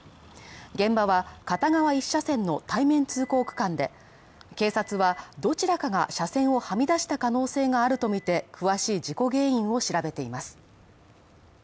現場は片側１車線の対面通行区間で、警察はどちらかが車線をはみ出した可能性があるとみて詳しい事故原因を調べています。